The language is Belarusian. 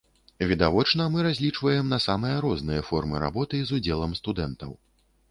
Відавочна, мы разлічваем на самыя розныя формы работы з удзелам студэнтаў.